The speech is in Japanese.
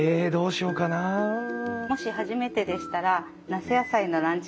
もし初めてでしたら那須野菜のランチ